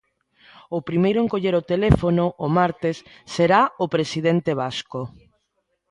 O primeiro en coller o teléfono, o martes, será o presidente vasco.